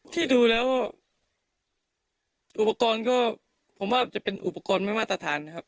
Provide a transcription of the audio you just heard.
ที่ดูแล้วอุปกรณ์ก็ผมว่าจะเป็นอุปกรณ์ไม่มาตรฐานนะครับ